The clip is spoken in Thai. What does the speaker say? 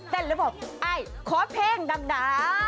เต้นหรือบอกไอ้ขอเพลงดัง